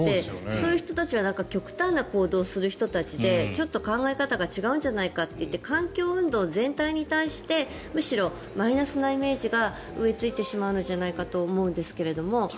そういう人たちは極端な行動をする人たちでちょっと考え方が違うんじゃないかといって環境運動全体に対してむしろマイナスなイメージが植えついてしまうんじゃないかと思うんですが。